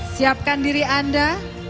siapkan diri anda